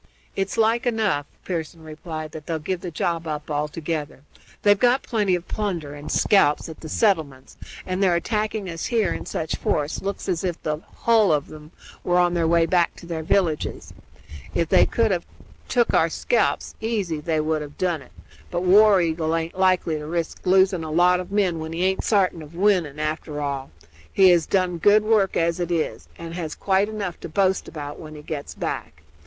"It's like enough," Pearson replied, "that they'll give the job up altogether. They've got plenty of plunder and scalps at the settlements, and their attacking us here in such force looks as if the hull of 'em were on their way back to their villages. If they could have tuk our scalps easy they would have done it; but War Eagle aint likely to risk losing a lot of men when he aint sartin of winning, after all. He has done good work as it is, and has quite enough to boast about when he gets back.